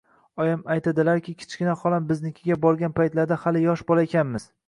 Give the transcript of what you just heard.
Oyim aytdilarki, kichkina xolam biznikiga borgan paytlarda hali yosh bola ekanmiz